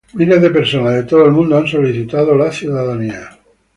Miles de personas de todo el mundo han solicitado la ciudadanía.